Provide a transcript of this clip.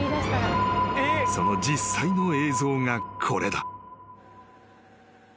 ［その実際の映像がこれだ］